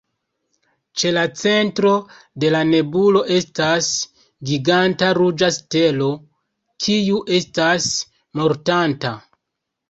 Ĉe la centro de la nebulo estas giganta ruĝa stelo, kiu estas mortanta.